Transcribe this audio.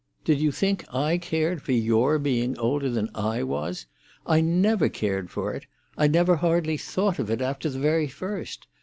Did you think I cared for your being older than I was? I never cared for it—I never hardly thought of it after the very first.